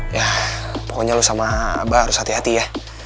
yah pokoknya lo sama abah harus hati hati ya